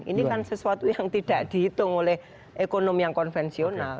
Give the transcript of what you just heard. ini kan sesuatu yang tidak dihitung oleh ekonomi yang konvensional